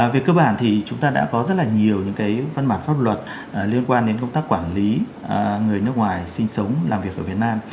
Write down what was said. về cơ bản thì chúng ta đã có rất là nhiều những cái văn bản pháp luật liên quan đến công tác quản lý người nước ngoài sinh sống làm việc ở việt nam